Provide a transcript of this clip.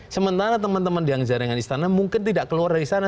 sementara teman teman yang jaringan istana mungkin tidak keluar dari sana